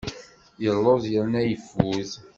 Yelluẓ yerna yeffud.